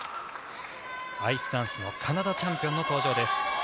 アイスダンスのカナダチャンピオンの登場です。